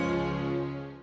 tidak ada suara orang nangis